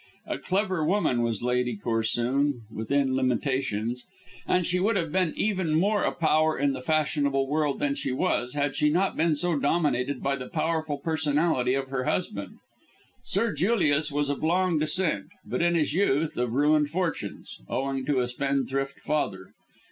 A clever woman was Lady Corsoon, within limitations, and she would have been even more a power in the fashionable world than she was had she not been so dominated by the powerful personality of her husband. Sir Julius was of long descent, but in his youth of ruined fortunes, owing to a spendthrift father.